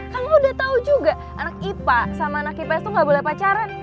kan lo udah tau juga anak ipa sama anak kipes tuh gak boleh pacaran